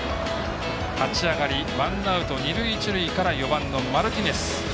立ち上がりワンアウト、二塁一塁から４番マルティネス。